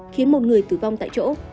khiến một người tử vong tại chỗ